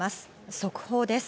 速報です。